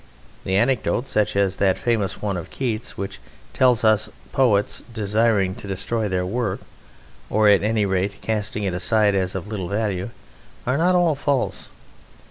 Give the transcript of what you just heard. The anecdotes (such as that famous one of Keats) which tell us of poets desiring to destroy their work, or, at any rate, casting it aside as of little value, are not all false.